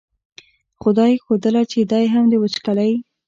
خو دا یې ښودله چې دی هم د وچکالۍ.